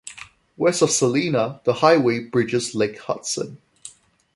West of Salina, the highway bridges Lake Hudson.